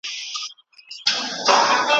دا وړانګي له خلوته ستا یادونه تښتوي